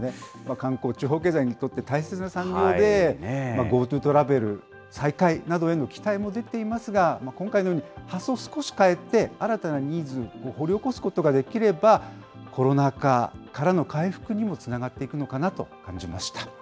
観光、地方経済にとって大切な産業で、ＧｏＴｏトラベル再開などへの期待も出ていますが、今回のように発想を少し変えて、新たなニーズを掘り起こすことができれば、コロナ禍からの回復にもつながっていくのかなと感じました。